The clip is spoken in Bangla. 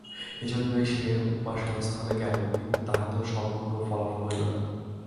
এইজন্য সে উপাসনাস্থলে গেল, কিন্তু তাহাতেও সম্পূর্ণ ফললাভ হইল না।